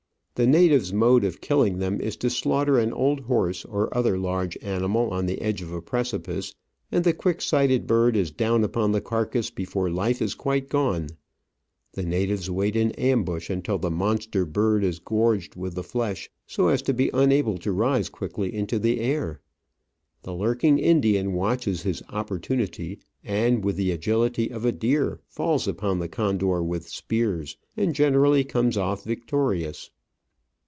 The natives* mode of killing them is to slaughter an old horse or other large animal on the edge of a precipice, and the quick sighted bird is down upon the carcase before life is quite gone ; the natives wait in ambush until the monster bird is gorged with the flesh, so as to be unable to rise quickly into the air. The lurking Indian watches his opportunity, and with the agility of a deer falls upon the condor with spears, and generally comes off victorious.